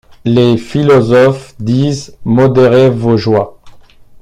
Les philosophes disent: Modérez vos joies.